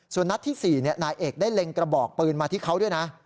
ส่วนนัดที่๔นายเอกได้เล็งกระบอกปืนมาที่เขาด้วยนะ